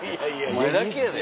お前だけやで。